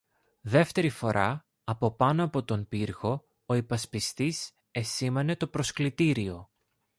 Δεύτερη φορά, από πάνω από τον πύργο, ο υπασπιστής εσήμανε το προσκλητήριο.